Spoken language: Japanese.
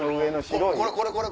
これこれ！